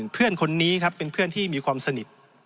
เพื่อนคนนี้ครับเป็นเพื่อนที่มีความสนิท